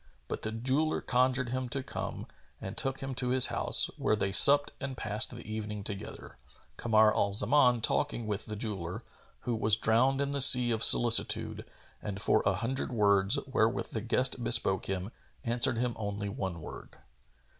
But the jeweller conjured him to come and took him to his house, where they supped and passed the evening together, Kamar al Zaman talking with the jeweller, who was drowned in the sea of solicitude and for a hundred words, wherewith the guest bespoke him, answered him only one word.